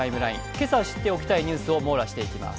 今朝知って起きたいニュースを網羅していきます。